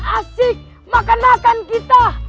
asik makan makan kita